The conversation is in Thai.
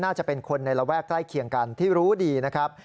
น่าจะเป็นคนในระแวกใกล้เคียงกันที่รู้ดีนะครับ